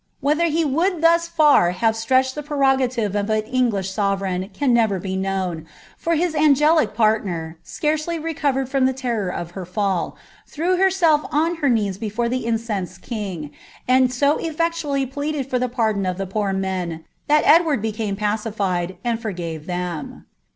Whether he wotild thus far have stretched the pre I of an English sovereign can never be known, for his aneclic ..■Caroely recovered from the terror of her fall, threw hemi'lf on ■ before llie incensed king, and so eflectiially pleaded for the of the poor men, that Edward became pacilied, and forgave them.